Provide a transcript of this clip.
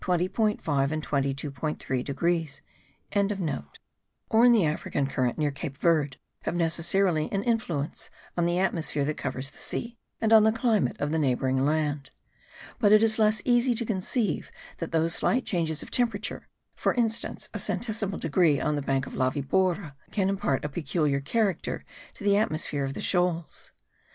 5 and 22.3 degrees)), or in the African current near Cape Verd, have necessarily an influence on the atmosphere that covers the sea, and on the climate of the neighbouring land; but it is less easy to conceive that those slight changes of temperature (for instance, a centesimal degree on the bank of La Vibora) can impart a peculiar character to the atmosphere of the shoals.